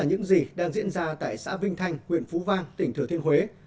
đó là những gì đang diễn ra tại xã vinh thanh huyện phú vang tỉnh thừa thiên huế